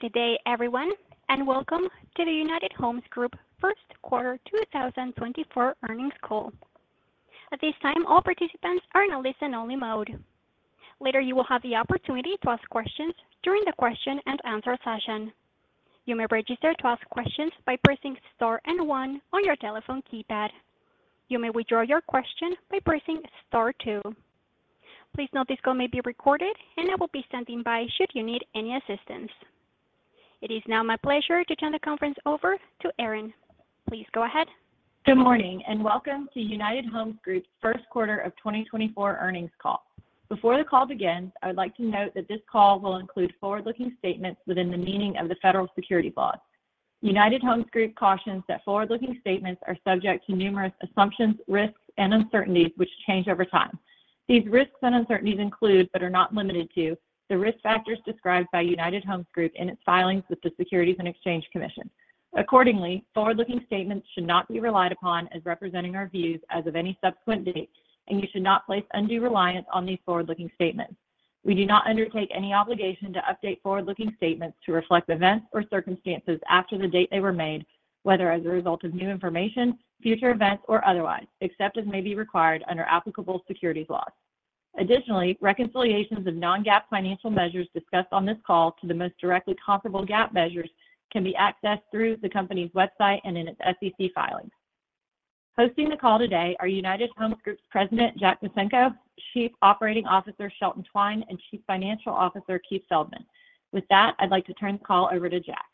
Good day, everyone, and Welcome to the United Homes Group First Quarter 2024 Earnings Call. At this time, all participants are in a listen-only mode. Later, you will have the opportunity to ask questions during the question-and-answer session. You may register to ask questions by pressing star and one on your telephone keypad. You may withdraw your question by pressing star two. Please note this call may be recorded, and I will be standing by should you need any assistance. It is now my pleasure to turn the conference over to Erin. Please go ahead. Good morning, and Welcome to United Homes Group First Quarter of 2024 Earnings Call. Before the call begins, I would like to note that this call will include forward-looking statements within the meaning of the Federal Securities Laws. United Homes Group cautions that forward-looking statements are subject to numerous assumptions, risks, and uncertainties which change over time. These risks and uncertainties include but are not limited to the risk factors described by United Homes Group in its filings with the Securities and Exchange Commission. Accordingly, forward-looking statements should not be relied upon as representing our views as of any subsequent date, and you should not place undue reliance on these forward-looking statements. We do not undertake any obligation to update forward-looking statements to reflect events or circumstances after the date they were made, whether as a result of new information, future events, or otherwise, except as may be required under applicable securities laws. Additionally, reconciliations of non-GAAP financial measures discussed on this call to the most directly comparable GAAP measures can be accessed through the company's website and in its SEC filings. Hosting the call today are United Homes Group's President Jack Micenko, Chief Operating Officer Shelton Twine, and Chief Financial Officer Keith Feldman. With that, I'd like to turn the call over to Jack.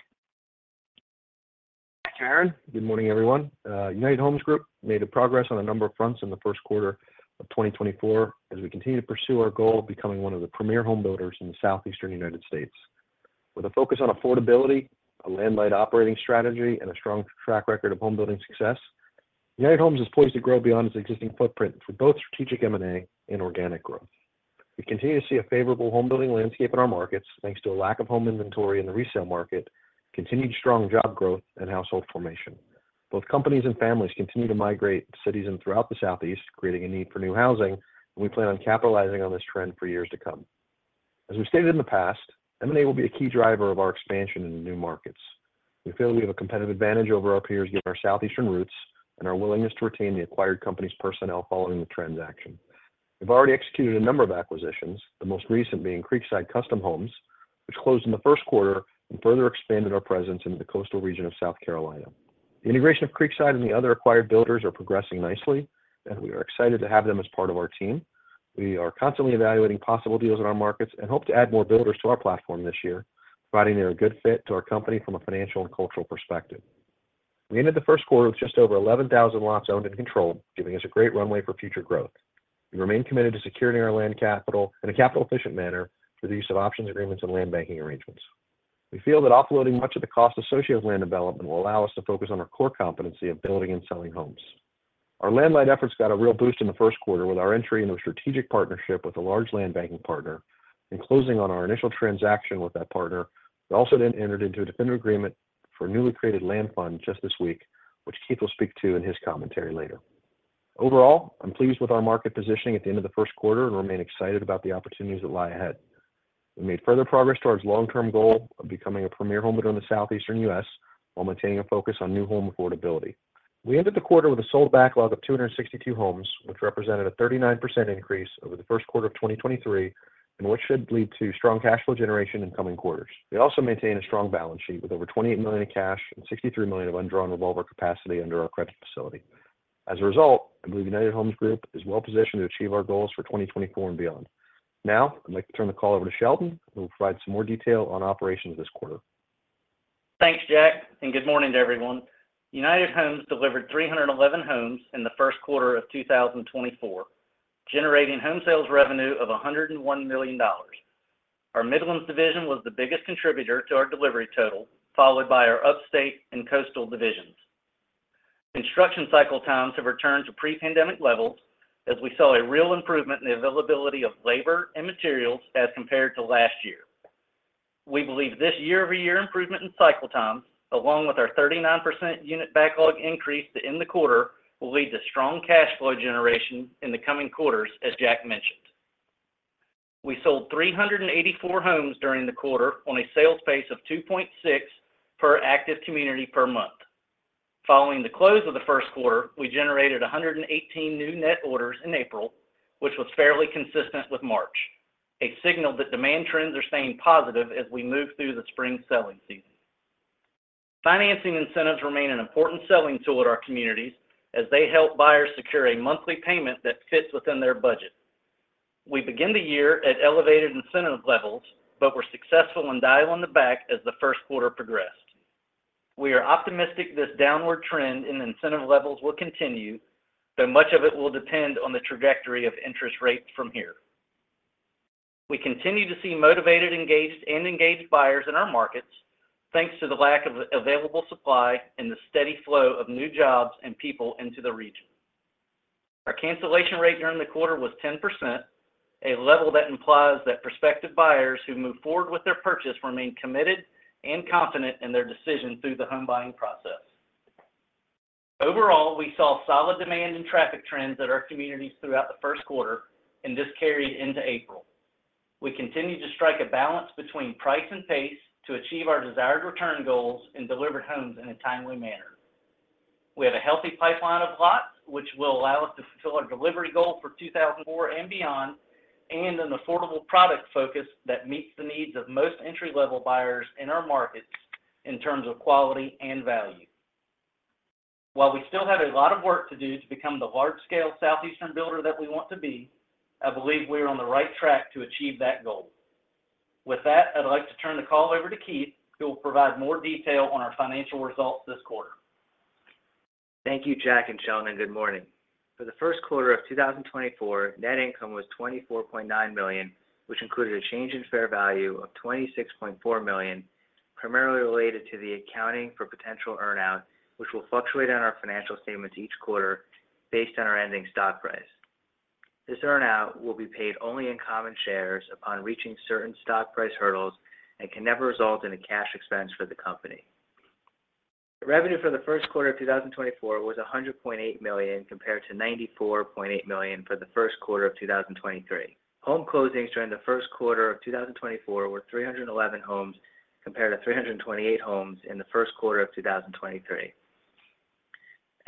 Thank you, Erin. Good morning, everyone. United Homes Group made progress on a number of fronts in the first quarter of 2024 as we continue to pursue our goal of becoming one of the premier home builders in the Southeastern United States. With a focus on affordability, a land-light operating strategy, and a strong track record of home building success, United Homes is poised to grow beyond its existing footprint for both strategic M&A and organic growth. We continue to see a favorable home building landscape in our markets thanks to a lack of home inventory in the resale market, continued strong job growth, and household formation. Both companies and families continue to migrate to cities throughout the Southeast, creating a need for new housing, and we plan on capitalizing on this trend for years to come. As we stated in the past, M&A will be a key driver of our expansion in new markets. We feel we have a competitive advantage over our peers given our Southeastern roots and our willingness to retain the acquired company's personnel following the transaction. We've already executed a number of acquisitions, the most recent being Creekside Custom Homes, which closed in the first quarter and further expanded our presence in the coastal region of South Carolina. The integration of Creekside and the other acquired builders is progressing nicely, and we are excited to have them as part of our team. We are constantly evaluating possible deals in our markets and hope to add more builders to our platform this year, providing they are a good fit to our company from a financial and cultural perspective. We ended the first quarter with just over 11,000 lots owned and controlled, giving us a great runway for future growth. We remain committed to securing our land capital in a capital-efficient manner through the use of options agreements and land banking arrangements. We feel that offloading much of the cost associated with land development will allow us to focus on our core competency of building and selling homes. Our land-light efforts got a real boost in the first quarter with our entry into a strategic partnership with a large land banking partner and closing on our initial transaction with that partner. We also entered into a definitive agreement for a newly created land fund just this week, which Keith will speak to in his commentary later. Overall, I'm pleased with our market positioning at the end of the first quarter and remain excited about the opportunities that lie ahead. We made further progress towards the long-term goal of becoming a premier home builder in the Southeastern U.S. while maintaining a focus on new home affordability. We ended the quarter with a sold backlog of 262 homes, which represented a 39% increase over the first quarter of 2023 and which should lead to strong cash flow generation in coming quarters. We also maintain a strong balance sheet with over $28 million in cash and $63 million of undrawn revolver capacity under our credit facility. As a result, I believe United Homes Group is well positioned to achieve our goals for 2024 and beyond. Now, I'd like to turn the call over to Shelton, who will provide some more detail on operations this quarter. Thanks, Jack, and good morning to everyone. United Homes delivered 311 homes in the first quarter of 2024, generating home sales revenue of $101 million. Our Midlands division was the biggest contributor to our delivery total, followed by our Upstate and Coastal divisions. Construction cycle times have returned to pre-pandemic levels as we saw a real improvement in the availability of labor and materials as compared to last year. We believe this year-over-year improvement in cycle times, along with our 39% unit backlog increase to end the quarter, will lead to strong cash flow generation in the coming quarters, as Jack mentioned. We sold 384 homes during the quarter on a sales pace of 2.6 per active community per month. Following the close of the first quarter, we generated 118 new net orders in April, which was fairly consistent with March, a signal that demand trends are staying positive as we move through the spring selling season. Financing incentives remain an important selling tool to our communities as they help buyers secure a monthly payment that fits within their budget. We began the year at elevated incentive levels but were successful in dialing the back as the first quarter progressed. We are optimistic this downward trend in incentive levels will continue, though much of it will depend on the trajectory of interest rates from here. We continue to see motivated, engaged buyers in our markets thanks to the lack of available supply and the steady flow of new jobs and people into the region. Our cancellation rate during the quarter was 10%, a level that implies that prospective buyers who move forward with their purchase remain committed and confident in their decision through the home buying process. Overall, we saw solid demand and traffic trends at our communities throughout the first quarter and this carried into April. We continue to strike a balance between price and pace to achieve our desired return goals and deliver homes in a timely manner. We have a healthy pipeline of lots, which will allow us to fulfill our delivery goal for 2024 and beyond and an affordable product focus that meets the needs of most entry-level buyers in our markets in terms of quality and value. While we still have a lot of work to do to become the large-scale Southeastern builder that we want to be, I believe we are on the right track to achieve that goal. With that, I'd like to turn the call over to Keith, who will provide more detail on our financial results this quarter. Thank you, Jack and Shelton, and good morning. For the first quarter of 2024, net income was $24.9 million, which included a change in fair value of $26.4 million, primarily related to the accounting for potential earnout, which will fluctuate on our financial statements each quarter based on our ending stock price. This earnout will be paid only in common shares upon reaching certain stock price hurdles and can never result in a cash expense for the company. Revenue for the first quarter of 2024 was $100.8 million compared to $94.8 million for the first quarter of 2023. Home closings during the first quarter of 2024 were 311 homes compared to 328 homes in the first quarter of 2023.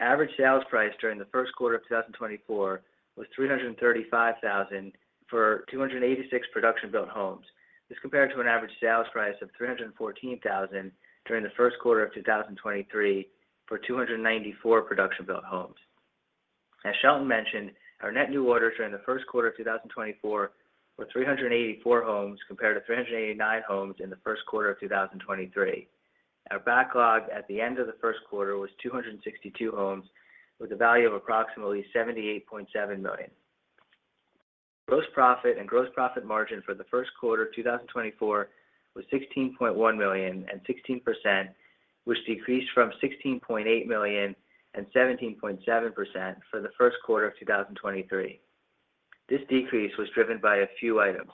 Average sales price during the first quarter of 2024 was $335,000 for 286 production-built homes. This compared to an average sales price of $314,000 during the first quarter of 2023 for 294 production-built homes. As Shelton mentioned, our net new orders during the first quarter of 2024 were 384 homes compared to 389 homes in the first quarter of 2023. Our backlog at the end of the first quarter was 262 homes with a value of approximately $78.7 million. Gross profit and gross profit margin for the first quarter of 2024 was $16.1 million and 16%, which decreased from $16.8 million and 17.7% for the first quarter of 2023. This decrease was driven by a few items: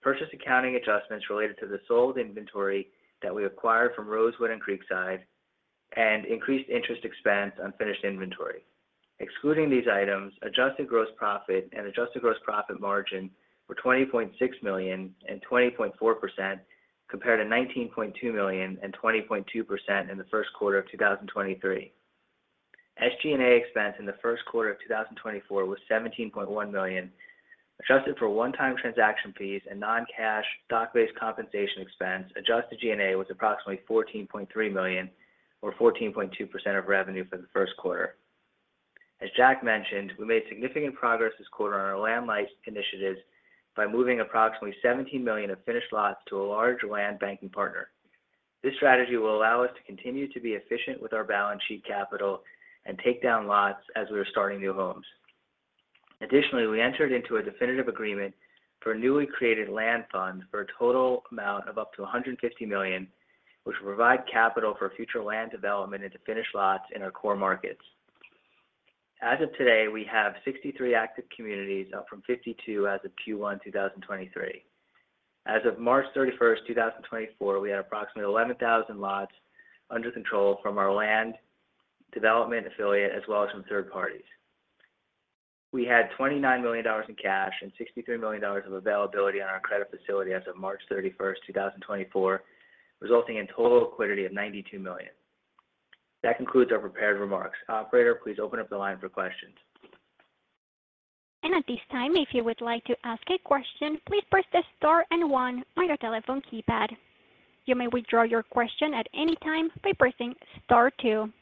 purchase accounting adjustments related to the sold inventory that we acquired from Rosewood and Creekside, and increased interest expense on finished inventory. Excluding these items, adjusted gross profit and adjusted gross profit margin were $20.6 million and 20.4% compared to $19.2 million and 20.2% in the first quarter of 2023. SG&A expense in the first quarter of 2024 was $17.1 million. Adjusted for one-time transaction fees and non-cash stock-based compensation expense, adjusted G&A was approximately $14.3 million or 14.2% of revenue for the first quarter. As Jack mentioned, we made significant progress this quarter on our land-light initiatives by moving approximately $17 million of finished lots to a large land banking partner. This strategy will allow us to continue to be efficient with our balance sheet capital and take down lots as we are starting new homes. Additionally, we entered into a definitive agreement for a newly created land fund for a total amount of up to $150 million, which will provide capital for future land development into finished lots in our core markets. As of today, we have 63 active communities, up from 52 as of Q1 2023. As of March 31, 2024, we had approximately 11,000 lots under control from our land development affiliate as well as from third parties. We had $29 million in cash and $63 million of availability on our credit facility as of March 31, 2024, resulting in total liquidity of $92 million. That concludes our prepared remarks. Operator, please open up the line for questions. At this time, if you would like to ask a question, please press the star and one on your telephone keypad. You may withdraw your question at any time by pressing star two.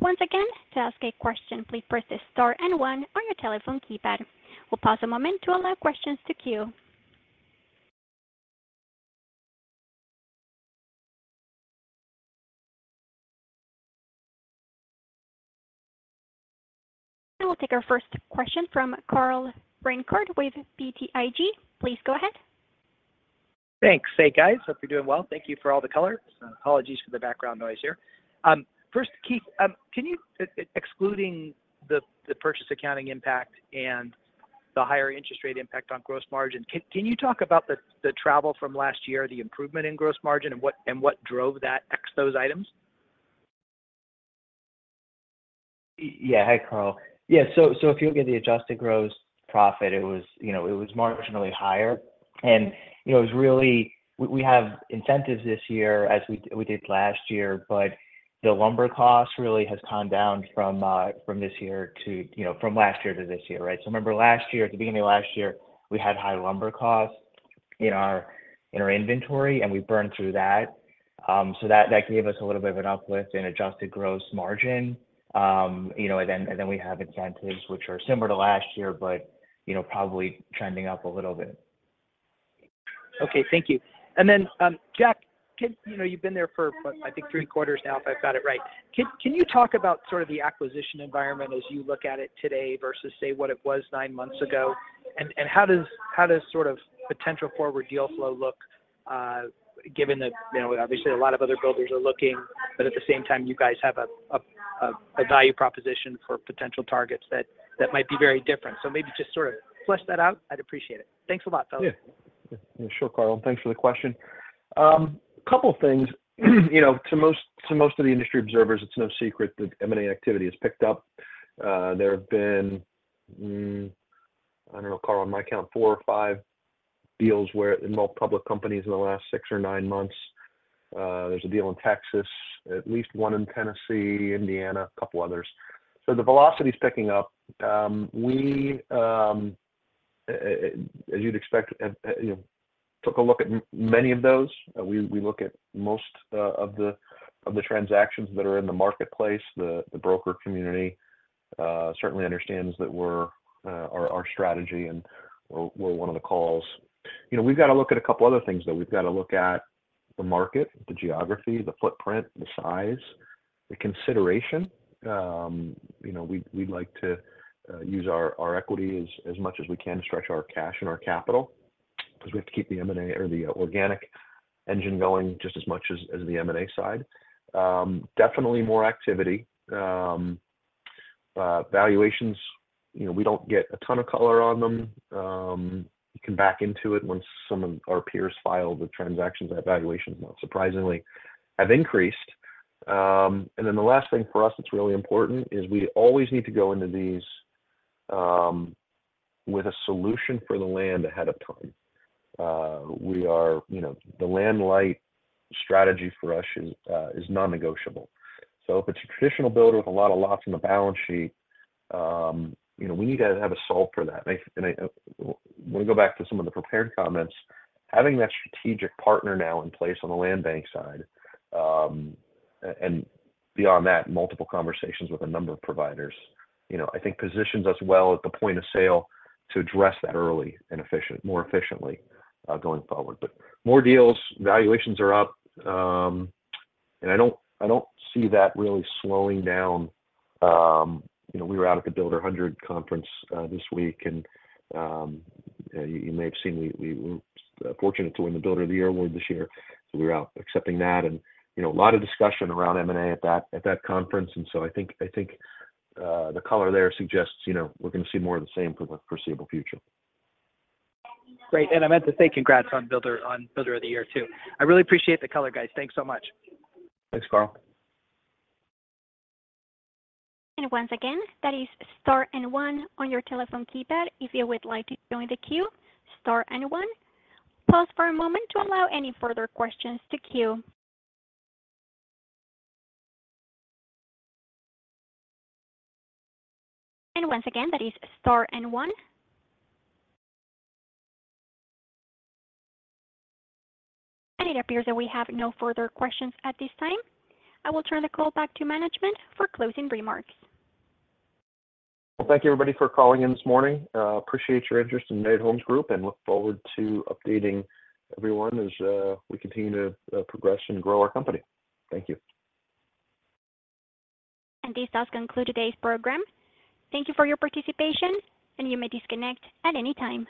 Once again, to ask a question, please press the star and one on your telephone keypad. We'll pause a moment to allow questions to queue. We'll take our first question from Carl Reichardt with BTIG. Please go ahead. Thanks. Hey, guys. Hope you're doing well. Thank you for all the color. Apologies for the background noise here. First, Keith, can you, excluding the purchase accounting impact and the higher interest rate impact on gross margin, talk about the trend from last year, the improvement in gross margin, and what drove those items? Yeah. Hi, Carl. Yeah. So if you look at the adjusted gross profit, it was marginally higher. And it was really we have incentives this year as we did last year, but the lumber cost really has gone down from this year to from last year to this year, right? So remember last year, at the beginning of last year, we had high lumber costs in our inventory, and we burned through that. So that gave us a little bit of an uplift in adjusted gross margin. And then we have incentives, which are similar to last year but probably trending up a little bit. Okay. Thank you. And then, Jack, you've been there for, I think, three quarters now if I've got it right. Can you talk about sort of the acquisition environment as you look at it today versus, say, what it was nine months ago? And how does sort of potential forward deal flow look given that obviously, a lot of other builders are looking, but at the same time, you guys have a value proposition for potential targets that might be very different? So maybe just sort of flesh that out. I'd appreciate it. Thanks a lot, fellas. Yeah. Sure, Carl. Thanks for the question. A couple of things. To most of the industry observers, it's no secret that M&A activity has picked up. There have been I don't know, Carl, on my count, four or five deals in public companies in the last six or nine months. There's a deal in Texas, at least one in Tennessee, Indiana, a couple others. So the velocity's picking up. We, as you'd expect, took a look at many of those. We look at most of the transactions that are in the marketplace. The broker community certainly understands that we're our strategy and we're one of the calls. We've got to look at a couple other things, though. We've got to look at the market, the geography, the footprint, the size, the consideration. We'd like to use our equity as much as we can to stretch our cash and our capital because we have to keep the M&A or the organic engine going just as much as the M&A side. Definitely more activity. Valuations, we don't get a ton of color on them. You can back into it once some of our peers file the transactions that valuations, not surprisingly, have increased. And then the last thing for us that's really important is we always need to go into these with a solution for the land ahead of time. The land-light strategy for us is non-negotiable. So if it's a traditional builder with a lot of lots on the balance sheet, we need to have a solve for that. And I want to go back to some of the prepared comments. Having that strategic partner now in place on the land bank side and beyond that, multiple conversations with a number of providers, I think, positions us well at the point of sale to address that early and more efficiently going forward. But more deals, valuations are up, and I don't see that really slowing down. We were out at the Builder 100 conference this week, and you may have seen we were fortunate to win the Builder of the Year award this year, so we were out accepting that. And a lot of discussion around M&A at that conference. And so I think the color there suggests we're going to see more of the same for the foreseeable future. Great. I meant to say congrats on Builder of the Year too. I really appreciate the color, guys. Thanks so much. Thanks, Carl. Once again, that is star and one on your telephone keypad if you would like to join the queue. Star and one. Pause for a moment to allow any further questions to queue. Once again, that is star and one. It appears that we have no further questions at this time. I will turn the call back to management for closing remarks. Well, thank you, everybody, for calling in this morning. Appreciate your interest in United Homes Group and look forward to updating everyone as we continue to progress and grow our company. Thank you. This does conclude today's program. Thank you for your participation, and you may disconnect at any time.